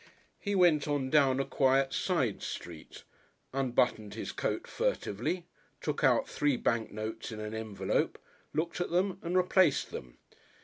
He went on down a quiet side street, unbuttoned his coat furtively, took out three bank notes in an envelope, looked at them and replaced them.